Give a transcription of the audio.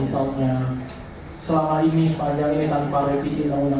nah ini apakah tidak masuk dalam materi pemeriksaan dewan